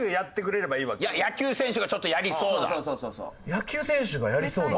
野球選手がやりそうな？